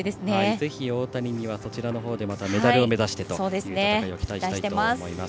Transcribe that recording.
ぜひ大谷にはそちらのほうでメダルを目指してという戦いを期待したいと思います。